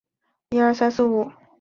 府治建德县。